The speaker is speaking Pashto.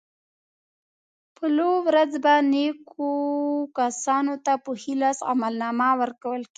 په لو ورځ به نېکو کسانو ته په ښي لاس عملنامه ورکول کېږي.